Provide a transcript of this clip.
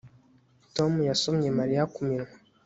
Tom yasomye Mariya ku minwa